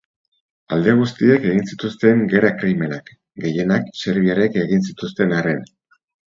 Alde guztiek egin zituzten gerra krimenak, gehienak serbiarrek egin zituzten arren.